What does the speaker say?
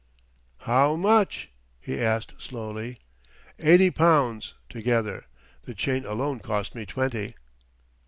"How much?" he asked slowly. "Eighty pounds, together; the chain alone cost me twenty."